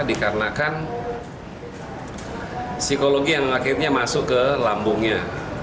dikarenakan psikologi yang akhirnya masuk ke lambungnya